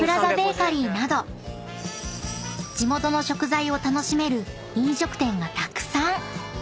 ［地元の食材を楽しめる飲食店がたくさん！］